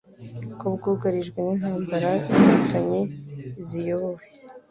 ko bwugarijwe n'intambara y'Inkotanyi ziyobowe